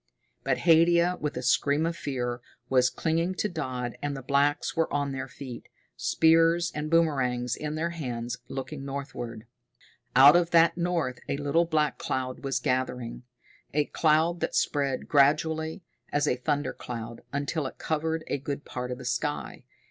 But Haidia, with a scream of fear, was clinging to Dodd, and the blacks were on their feet, spears and boomerangs in their hands, looking northward. Out of that north a little black cloud was gathering. A cloud that spread gradually, as a thunder cloud, until it covered a good part of the sky.